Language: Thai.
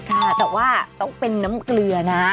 ค่ะแต่ว่าต้องเป็นน้ำเกลือนะ